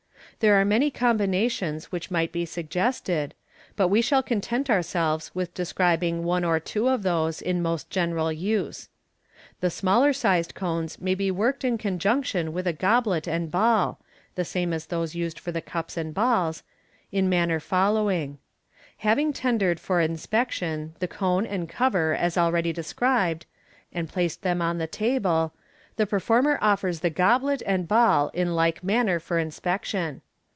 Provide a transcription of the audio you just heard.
There are many combinations which might be suggested, but we shall content ourselves with describing one or two of those in most general use. The smaller sized cones may be worked in conjunction with a goblet and ball (the same as ihose used for the Cups and Balls), in manner following :— Having tendered for inspection the cone and cover as already described, and placed them on the table, the performer oilers the goblet and ball in like manner for inspection.